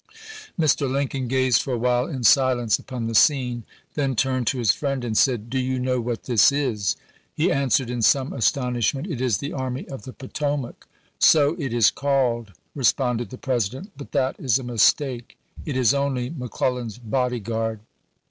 Mr. Lincoln gazed for a while in silence upon the scene, then turned to his friend and said: " Do you know what this is ?" He answered in some astonishment, "It is the Army of the Poto mac." " So it is called," responded the President ;" but that is a mistake ; it is only McClellan's body guard."